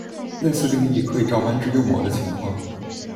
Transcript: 类似定义可以照搬至右模的情况。